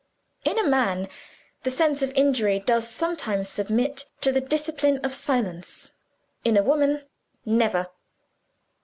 _" In a man, the sense of injury does sometimes submit to the discipline of silence. In a woman never.